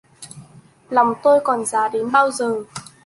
Lòng tôi còn giá đến bao giờ